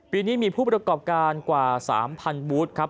ปีนี้มีผู้ประกอบการกว่า๓๐๐บูธครับ